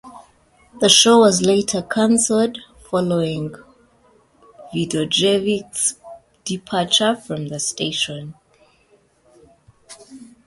The show was later cancelled following Vidojevic's departure from the station.